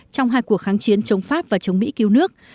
trong hai cuộc kháng chiến chống pháp và chống mỹ cứu nước